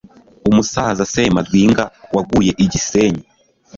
umusaza Semadwinga waguye i Gisenyi,